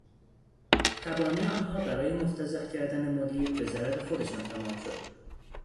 تبانی آنها برای مفتضح کردن مدیر به ضرر خودشان تمام شد.